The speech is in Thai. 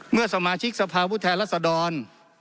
เมื่อสมาชิกสภาพุทธแทนรัศดร